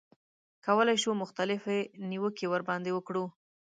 کولای شو مختلفې نیوکې ورباندې وکړو.